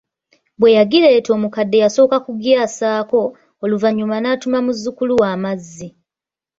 Bwe yagireeta omukadde yasooka kugyasaako, oluvanyuma n'atuma muzzukulu we amazzi.